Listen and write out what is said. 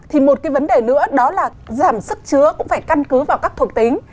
thì một cái vấn đề nữa đó là giảm sức chứa cũng phải căn cứ vào các thuộc tính